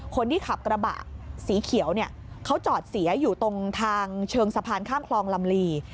คนที่ขับกระบะสีเขียวเนี่ยเขาจอดเสียอยู่ตรงทางเชิงสะพานข้ามคลองลำลี